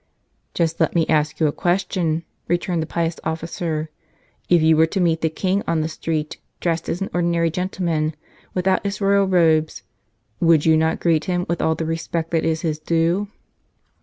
"Just let me ask you a question," returned the pious officer. "If you were to meet the King on the street dressed as an ordinary gentleman, without his royal robes, would you not greet him with all the respect that is his due?"